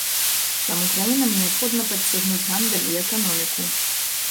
Таму краінам неабходна падцягнуць гандаль і эканоміку.